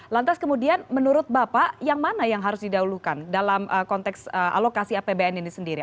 lantas kemudian menurut bapak yang mana yang harus didahulukan dalam konteks alokasi apbn ini sendiri